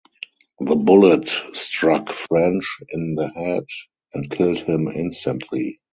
The bullet struck French in the head and killed him instantly.